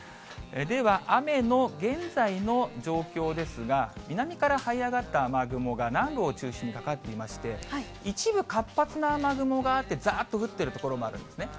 では、雨の現在の状況ですが、南からはい上がった雨雲が南部を中心にかかっていまして、一部活発な雨雲があって、ざーっと降っている所もあるんですね。